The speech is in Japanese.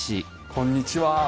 こんにちは。